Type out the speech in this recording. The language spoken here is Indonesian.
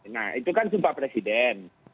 nah itu kan sumpah presiden